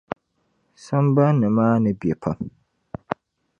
Sambani maa ni be pam.